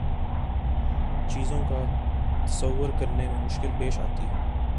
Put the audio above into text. چیزوں کا تصور کرنے میں مشکل پیش آتی ہے